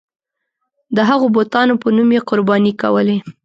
د هغو بتانو په نوم یې قرباني کولې.